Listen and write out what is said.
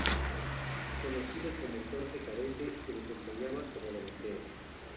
Conocido como Jorge Cadete, se desempeñaba como delantero.